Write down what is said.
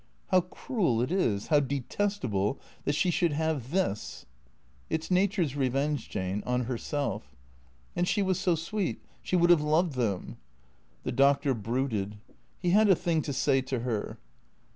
" How cruel it is, how detestable — that she should have this "" It 's Nature's revenge, Jane, on herself." " And she was so sweet, she would have loved them " The Doctor brooded. He had a thing to say to her.